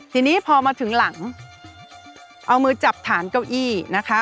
ทีนี้พอมาถึงหลังเอามือจับฐานเก้าอี้นะคะ